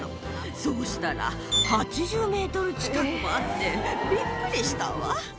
そうしたら、８０メートル近くもあってびっくりしたわ。